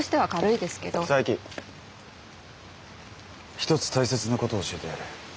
一つ大切なことを教えてやる。